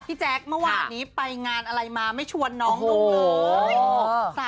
พี่แจ๊กมาว่านี้ไปงานอะไรมาไม่ชวนน้องหนุ่มเลย